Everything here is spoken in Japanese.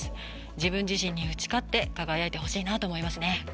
自分自身に打ち勝って輝いてほしいなと思います。